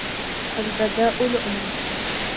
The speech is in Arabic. الْبَذَاءُ لُؤْمٌ